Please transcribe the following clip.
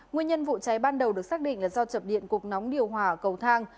nguyên nhân vụ cháy ban đầu được xác định là do chập điện cuộc nóng điều hòa cầu thang